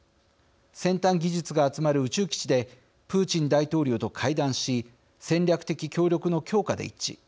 先端技術が集まる宇宙基地でプーチン大統領と会談し戦略的協力の強化で一致。